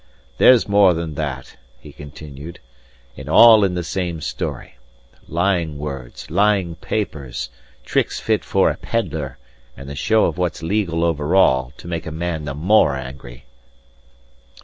"There's more than that," he continued, "and all in the same story: lying words, lying papers, tricks fit for a peddler, and the show of what's legal over all, to make a man the more angry."